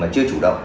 chưa chủ động